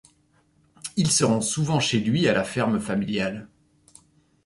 Il se rend souvent chez lui à la ferme familiale.